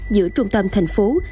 giữa trung tâm thành phố